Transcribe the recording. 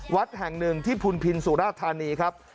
วัดแห่งหนึ่งที่พุนพินสุราธานีครับ